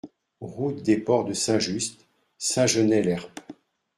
Route des Ports de Saint-Just, Saint-Genest-Lerpt